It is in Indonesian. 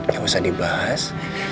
gak usah dibahas